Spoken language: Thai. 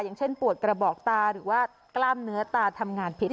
อย่างเช่นปวดกระบอกตาหรือว่ากล้ามเนื้อตาทำงานผิด